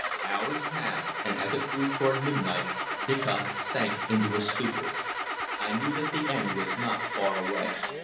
Hours passed, and as it drew toward midnight Diccon sank into a stupor. I knew that the end was not far away.